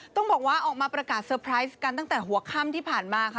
ต้องบอกว่าออกมาประกาศเตอร์ไพรส์กันตั้งแต่หัวค่ำที่ผ่านมาค่ะ